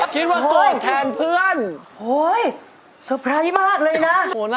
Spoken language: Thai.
คุณก็ต้องได้รับเพื่อน